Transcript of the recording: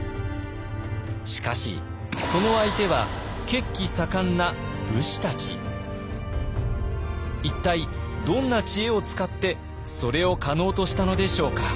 しかしその相手は一体どんな知恵を使ってそれを可能としたのでしょうか。